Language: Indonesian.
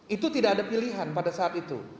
itu tidak ada pilihan pada saat itu